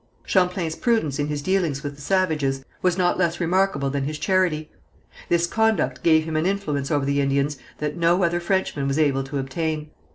Champlain's prudence in his dealings with the savages was not less remarkable than his charity. This conduct gave him an influence over the Indians that no other Frenchman was able to obtain.